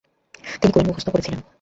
তিনি কুরআন মুখস্থও করেছিলেন।